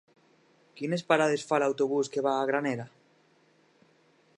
Quines parades fa l'autobús que va a Granera?